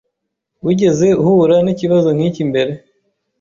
Wigeze uhura nikibazo nkiki mbere?